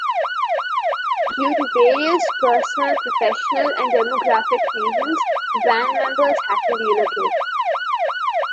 Due to various personal, professional, and demographic reasons the band members had to relocate.